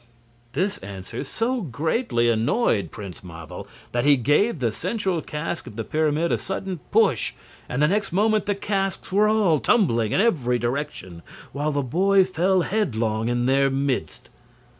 This answer so greatly annoyed Prince Marvel that he gave the central cask of the pyramid a sudden push, and the next moment the casks were tumbling in every direction, while the boy fell headlong in their midst.